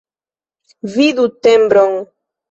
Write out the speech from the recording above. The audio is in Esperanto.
Vidu tembron.